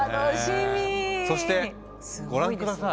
そしてご覧ください。